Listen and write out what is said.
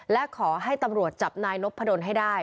และขอให้ตำรวจจับนายนพดลให้ได้